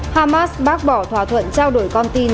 hamas bác bỏ thỏa thuận trao đổi con tin